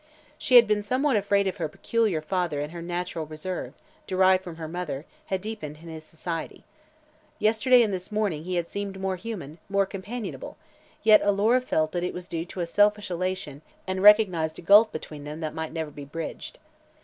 She had been somewhat afraid of her peculiar father and her natural reserve, derived from her mother, had deepened in his society. Yesterday and this morning he had seemed more human, more companionable, yet Alora felt that it was due to a selfish elation and recognized a gulf between them that might never be bridged.